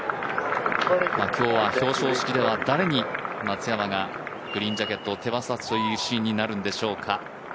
今日は表彰式では誰に松山がグリーンジャケットを手渡すシーンになるんでしょうか。